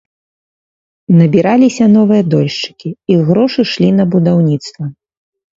Набіраліся новыя дольшчыкі, іх грошы шлі на будаўніцтва.